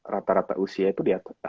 rata rata usia itu di atas